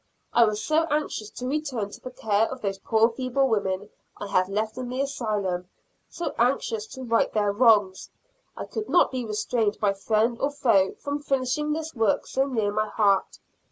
I was so anxious to return to the care of those poor feeble women I had left in the Asylum; so anxious to right their wrongs, I could not be restrained by friend or foe from finishing this work so near my heart.